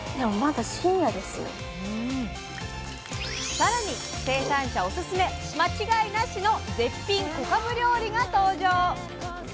更に生産者オススメ間違いなしの絶品小かぶ料理が登場！